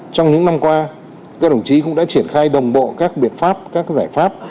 trong những năm qua các đồng chí cũng đã triển khai đồng bộ các biện pháp các giải pháp